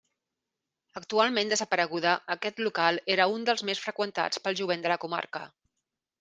Actualment desapareguda, aquest local era un dels més freqüentats pel jovent de la comarca.